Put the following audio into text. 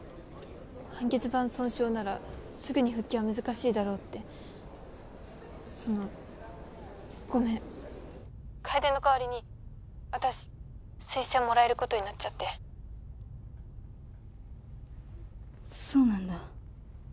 半月板損傷ならすぐに復帰は難しいだろうってそのごめん☎楓の代わりに私推薦もらえることになっちゃってそうなんだ